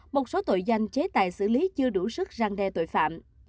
một số tội danh chế tài xử lý chưa đủ sức răng đe tội phạm